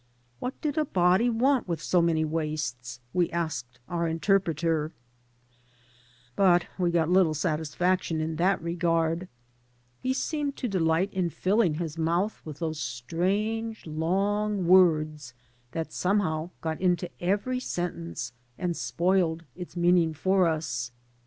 What did a body want with so many waists, we asked our interpreter. But we got little satisfaction in 19 AN AMERICAN IN THE MAKING this regard. He seemed to delight in filling his mouth with those strange long words that somehow got into every sentence and spoiled its meaning for us.